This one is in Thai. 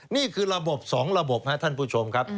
นี่คือระบบ๒ระบบครับท่านผู้ชมครับ